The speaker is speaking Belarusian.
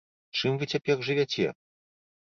Чым вы цяпер жывяце?